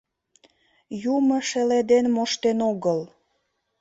— Юмо шеледен моштен огыл.